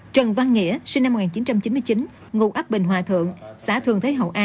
trần văn nghĩa sinh năm một nghìn chín trăm chín mươi chín ngụ ấp bình hòa thượng xã thường thế hậu a